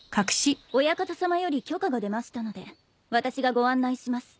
お館様より許可が出ましたので私がご案内します。